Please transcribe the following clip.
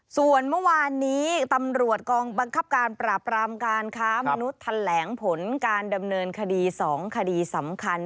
ส่วนเมื่อวานนี้ตำรวจกองบังคับการปราบรามการค้ามนุษย์แถลงผลการดำเนินคดี๒คดีสำคัญ